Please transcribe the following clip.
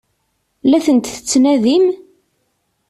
La tent-tettnadim?